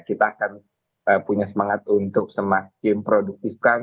kita akan punya semangat untuk semakin produktifkan